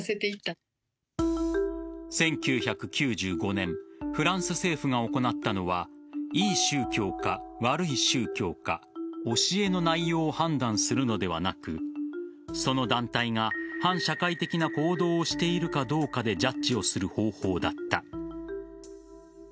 １９９５年フランス政府が行ったのはいい宗教か、悪い宗教か教えの内容を判断するのではなくその団体が反社会的な行動をしているかどうかでジャッジをする方法だった。